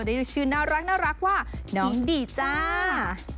ด้วยชื่อน่ารักว่าน้องดีจ้า